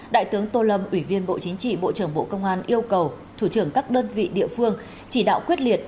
đại tướng tô lâm ủy viên bộ chính trị bộ trưởng bộ công an yêu cầu thủ trưởng các đơn vị địa phương chỉ đạo quyết liệt